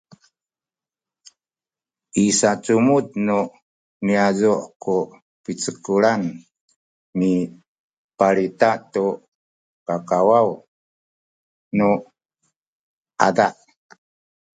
i sacumudan nu niyazu’ ku picekulan mipalita tu kakawaw nu ada